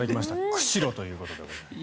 釧路ということで。